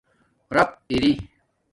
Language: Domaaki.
ریپ اری